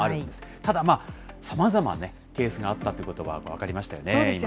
ただまあ、さまざまなケースがあったということは分かりましたよ